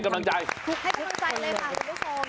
ให้กำลังใจเลยค่ะทุกคน